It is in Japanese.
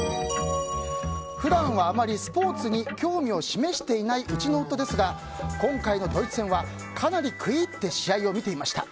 普段はあまりスポーツに興味を示していないうちの夫ですが今回のドイツ戦はかなり食い入って試合を見ていました。